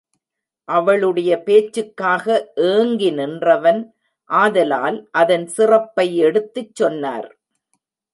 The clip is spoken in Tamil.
அவளுடைய பேச்சுக்காக ஏங்கி நின்றவன் ஆதலால் அதன் சிறப்பை எடுத்துச் சொன்னார்.